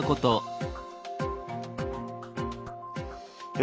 え